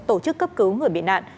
tổ chức cấp cứu người bị nạn